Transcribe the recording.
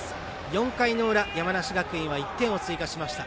４回の裏山梨学院は１点を追加しました。